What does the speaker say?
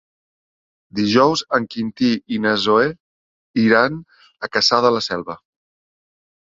Dijous en Quintí i na Zoè iran a Cassà de la Selva.